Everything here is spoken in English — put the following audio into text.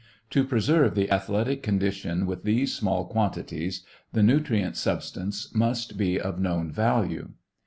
To preserve the athletic condition with these small quantities, the nutrient substance must be of known value.